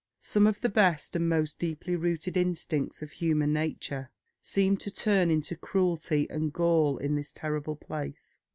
Some of the best and most deeply rooted instincts of human nature seemed to turn into cruelty and gall in this terrible place.